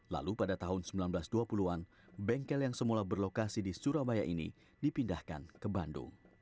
lalu pada tahun seribu sembilan ratus dua puluh an bengkel yang semula berlokasi di surabaya ini dipindahkan ke bandung